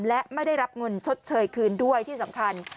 และไม่ได้รับเงินชดเชยคืนด้วยที่สำคัญ